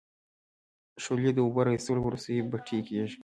شولې د اوبو را وېستلو وروسته بټۍ کیږي.